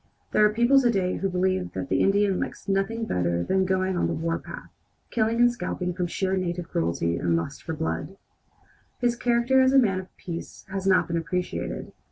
There are people to day who believe that the Indian likes nothing better than going on the warpath, killing and scalping from sheer native cruelty and lust for blood. His character as a man of peace has not been appreciated.